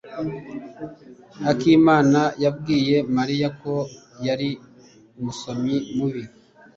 Akimana yabwiye Mariya ko yari umusomyi mubi.